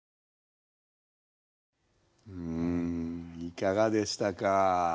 いかがでしたか？